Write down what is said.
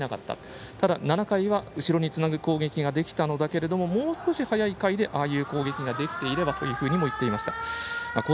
ただ７回は後ろにつなぐ攻撃ができたんだけれどももうちょっと早い回でああいう攻撃ができていればというふうにも言っていました。